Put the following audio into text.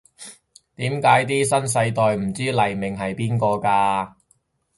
點解啲新世代唔知黎明係邊個㗎！